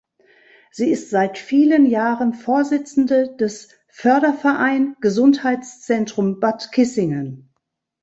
Sie ist seit vielen Jahren Vorsitzende des "Förderverein Gesundheitszentrum Bad Kissingen".